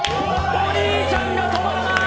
お兄ちゃんが止まらない。